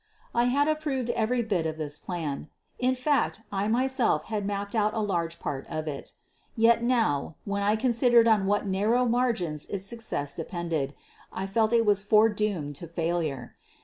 I had approved every bit of this plan — in fact, I myself had mapped out a large part of it. Yet now, when I considered on what narrow margins its suc cess depended, I felt it was foredoomed to failure.